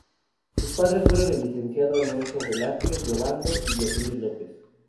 Sus padres fueron el licenciado Alonso Velásquez de Ovando y Beatriz López.